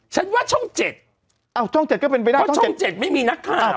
ฉันว่าช่องเจ็ดเอ้าช่องเจ็ดก็เป็นไปได้เพราะช่องเจ็ดไม่มีนักข้าว